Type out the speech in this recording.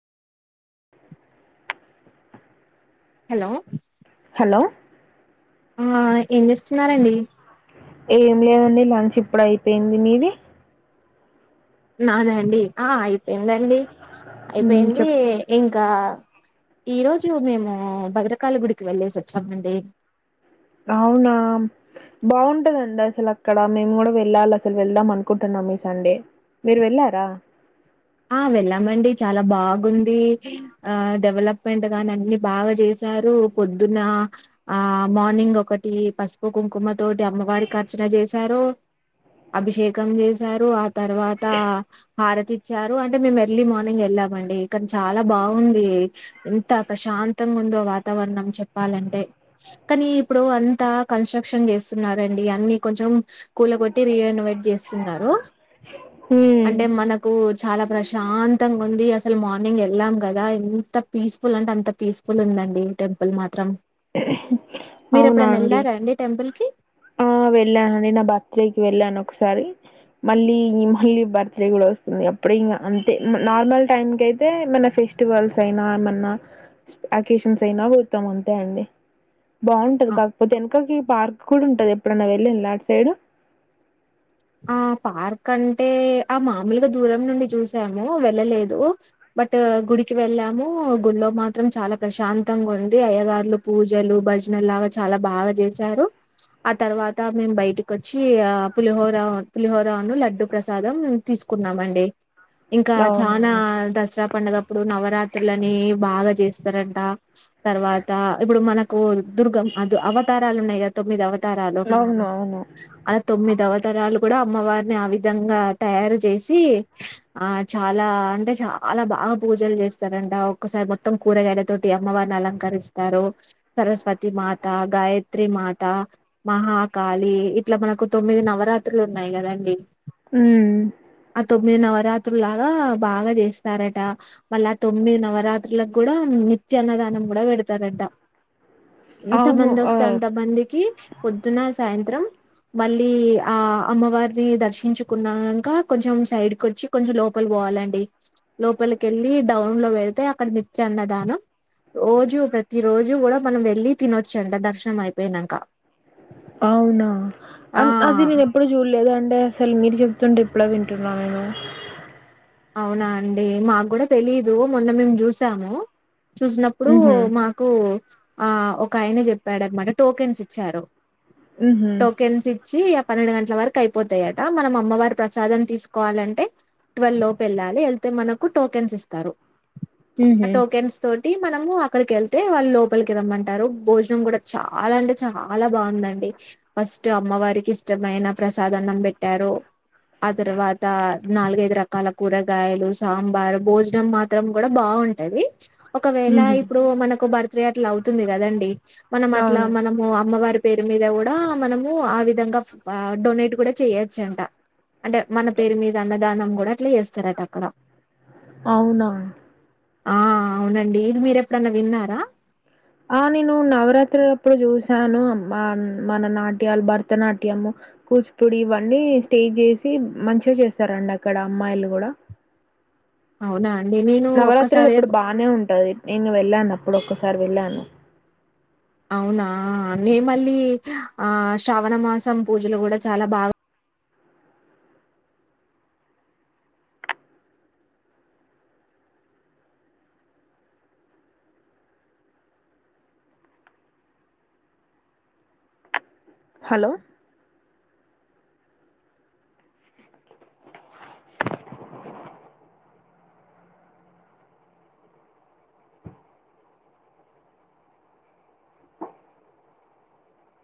hello hello ఆ ఏం చేస్తున్నారండి ఏం లేదండి లంచ్ ఇప్పుడు అయిపోయింది మీది నాద అండి ఆ అయి అయిందండి మ్మ్ అయిపోయింది చెప్ ఇంకా ఈ రోజు మేము భద్రకాళి గుడికి వెళ్లేేసి వచ్చామండి అవునా బాగుంటదండి అసలు అక్కడ మేము కూడా వెళ్ళాలి అసలు వెళ్దాం అనుకుంటున్నాం ఈ సండే మీరు వెళ్ళారా ఆ వెళ్ళామండి చాలా బాగుంది ఆ డెవలప్మెంట్ గాని అన్ని బాగా చేశారు పొద్దున్న ఆ మార్నింగ్ ఒకటి పసుపు కుంకుమ తోటి అమ్మవారికి అర్చన చేశారు అభిషేకం చేశారు ఆ తర్వాత హారతి ఇచ్చారు అంటే మేము ఎర్లీ మార్నింగ్ వెళ్ళామండి కానీ చాలా బాగుంది ఎంత ప్రశాంతంగా ఉందో వాతావరణం చెప్పాలంటే కానీ ఇప్పుడు అంతా కన్స్ట్రక్షన్ చేస్తున్నారుండి అన్ని కొంచెం కూల కొట్టి రీయనోవేట్ చేస్తున్నారు హు కు చాలా ప్రశాంతంగా ఉంది అసలు మార్నింగ్ వెళ్ళాం కదా ఎంత పీస్ఫుల్ అంటే అంత పీస్ఫుల్ ఉందండి టెంపుల్ మాత్రం మీరు అవునా ఎప్పుడైనా అండి వెళ్ళారా టెంపుల్ కి ఆ వెళ్ళానని నా బర్త్డేకి వెళ్ళాను ఒకస్ ఒకసారి మళ్ళీ మళ్ళీ బర్త్డే కూడా వస్తుంది అప్పుడే ఇంకా అంతే నార్మల్ టైమ్ కు అయితే ఏమన్నా ఫెస్టివల్స్ అయినా ఏమన్నా అకేషన్స్ అయినా వొతం అంతే అండి బాగు ఆ కాకపోతే వెనకకి పార్క్ కూడా ఉంటది ఎప్పుడైన్నా వెళ్లిళ అడ్ ఏడు ఆ పార్క్ అంటే ఆ మామూలుగా దూరం నుండి చూసాము వెళ్ళలేదు బట్ గుడికి వెళ్ళాము గుడిలో మాత్రం చాలా ప్రశాంతంగా ఉంది అయ్యగారులు పూజలు భజనలు లాగా చాలా బాగా చేశారు ఆ తర్వాత మేము బయటకి వచ్చి ఆ పులిహోర పులిహోర పులిహోరాను లడ్డు ప్రసాదం తీసుకున్నామండి ఇంకా అవునా చనా దసరా పండగమ్ ఇప్పుడు నవరాత్రులని బాగా చేస్తారంట తర్వాత ఇప్పుడు మనకు దుర్గ అవతారాలు ఉన్నాయి కదా తొమ్మిది అవత్ తారలో అవును అవును అ తొమ్మిది అవ కూడా అమ్మవారిని ఆ విధంగా తయారు చేసి ఆ చాలా అంటే చాలా బాగా పూజలు చేస్తారంట ఒక్కసారి మొత్తం కూరగాయల తోటి అమ్మవారిని అలంకరిస్తారు సరస్వతి మాత గాయత్రి మాత మహాకాళి ఇట్లా మనకు తొమ్మిది నవరాత్ లు ఉన్నాయి కదండి ఉ ఆ తొమ్మిది నవరాత్రులాగా బాగా చేస్తారట మళ్ళా తొమ్మిది నవరాత్రులకు కూడా నిత్య అన్నదానం కూడా వెడుతారట ఎంత అవును మంది ఆ వస్తే అంత మందికి పొద్దున సాయంత్రం మళ్ళీ ఆ అమ్మవారిని దర్శించుకున్నాక కొంచెం సైడ్కి వచ్చి కొంచెం లోపలి పోవాలండి లోపలికి వెళ్ళి డౌన్ లో వెళితే అక్కడ నిచ్చాన్న దాను రోజు ప్రతి రోజు కూడా మనం వెళ్ళి తినొచ్చు అంట దర్శనం అయిపోయినాక అవునా ఆ అ అది ఎప్ ఇప్పుడు చూడలేదు అంటే అసలు మీరు చెప్తుంటే ఇప్పుడే వింటున్నా నేను అవునా అండి మాకు గుడా తెలీదు మొన్న మేము చూసాము చూసినప్పుడు ఉహు మాకు ఆ ఒక ఆయన చెప్పాడు అనమాట టోకెన్స్ ఇచ్చారు ఉహు టోకెన్స్ ఇచ్చి యప్ పన్నెండు గంటల వరకు అయిపోతాయట మనం అమ్మవారి ప్రసాదం తీసుకోవాలంటే ట్వీలివ్ లోప్ వెళ్ళాలి వెళ్తే మనకు టోకెన్స్ ఇస్తారు ఆ ఉహు టోకెన్స్ తోన్ టి మనము అక్కడికి వెళ్తే వాళ్ళు లోపలికి రమ్మంటారు భోజనం కూడా చాలా అంటే చాలా బాగుందండి ఫస్ట్ అమ్మవారికి ఇష్టమైన ప్రసాద అన్నం పెట్టారు ఆ తర్వాత నాలుగైదు రకాల కూరగాయలు సాంబార్ భోజనం మాత్రం కూడా బాగుంటది ఒకవేళ ఉహు ఇప్పుడు మనకు భర్త్ ఇట్లా అవుతుంది కదండి మనం అట్లా అవును మనము అమ్మవారి పేరు మీద కూడా మనము ఆ విద్ దగుఅఫ్ డొనేట్ కూడా చేయొచ్చు అంట అంటే మన పేరు మీద అన్నది విదానం కూడా అట్లా ఎస్ చ్చరాటక్కడ అవునా ఆ అవునండి ఇది మీర ఎప్పుడన్నా విన్నారా ఆ నేను నవరాత్రి అప్పుడు చూసాను మన నాట్యాలు భరతనాట్యము కూచిపూడి ఇవన్నీ స్టేజ్ చేసి మంచిగా చేస్తారండి అక్కడ అమ్మాయిలు కూడా అవునా అండి నేను నవరాత్రులు ఒక్కసారి ఇప్పుడు బానే ఉంటది నేను వెళ్ళాను అప్పుడు ఒకారి సార్ వెళ్ళా అన్న అవునా నే మళ్ళీ ఆ శ్రావణ మాసం పూజలు కూడా చాలా బాగా హలో